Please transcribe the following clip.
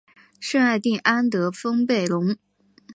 圣艾蒂安德丰贝隆。